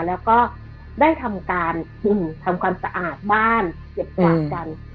แล้วก็ได้ทำการกินทำความสะอาดบ้านเก็บกวาดกัน